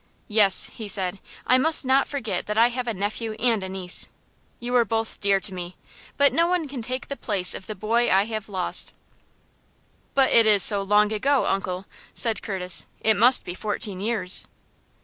"Yes," he said, "I must not forget that I have a nephew and a niece. You are both dear to me, but no one can take the place of the boy I have lost." "But it is so long ago, uncle," said Curtis. "It must be fourteen years."